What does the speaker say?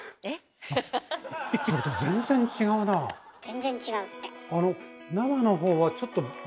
全然違うって。